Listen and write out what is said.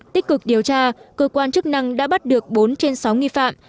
tích cực điều tra cơ quan chức năng đã bắt được bốn trên sáu nghi phạm